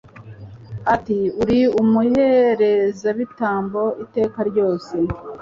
ati Uri umuherezabitambo iteka ryose